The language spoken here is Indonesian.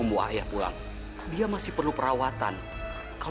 bapak gak usah takut pak